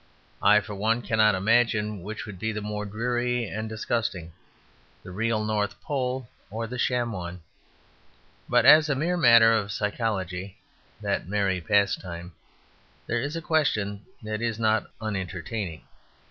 I, for one, cannot imagine which would be the more dreary and disgusting the real North Pole or the sham one. But as a mere matter of psychology (that merry pastime) there is a question that is not unentertaining.